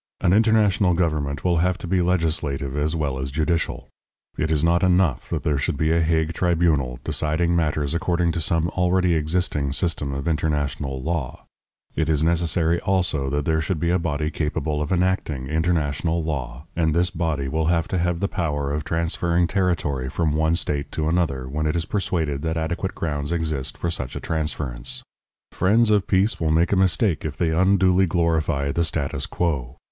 An international government will have to be legislative as well as judicial. It is not enough that there should be a Hague tribunal, deciding matters according to some already existing system of international law; it is necessary also that there should be a body capable of enacting international law, and this body will have to have the power of transferring territory from one state to another, when it is persuaded that adequate grounds exist for such a transference. Friends of peace will make a mistake if they unduly glorify the status quo.